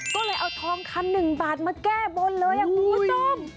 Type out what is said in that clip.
ก็เลยเอาทองคำหนึ่งบาทมาแก้บนเลยคุณผู้ชม